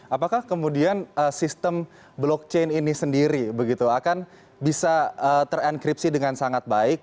apakah kemudian sistem blockchain ini sendiri begitu akan bisa terenkripsi dengan sangat baik